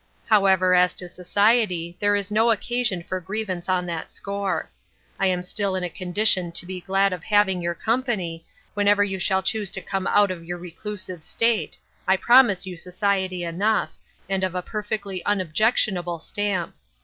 " However, as to society, there is no occasion for grievance on that score ; I am still in a condi tion to be glad of having your company ; whenever you shall choose to come out of your recluse state, 68 DRIFTING. I promise you society enough, and of a perfectly unobjectionable stamp.